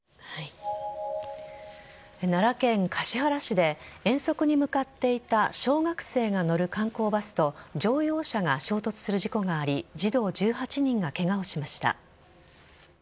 奈良県橿原市で遠足に向かっていた小学生が乗る観光バスと乗用車が衝突する事故があり児童１８人がケガをしました。